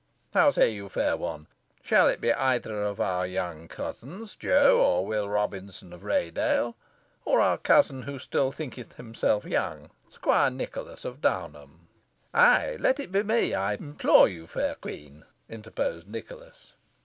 How gay you, fair one? Shall it be either of our young cousins, Joe or Will Robinson of Raydale; or our cousin who still thinketh himself young, Squire Nicholas of Downham." "Ay, let it be me, I implore of you, fair queen," interposed Nicholas.